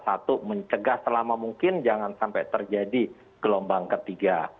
satu mencegah selama mungkin jangan sampai terjadi gelombang ketiga